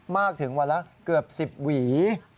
มากถึงวันละเกือบ๑๐หวี